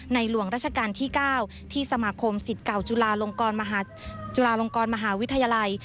ในร่วงราชการที่๙ที่สมาคมสิทธิ์เก่าจุฬาลงกรมหาวิทยาลัย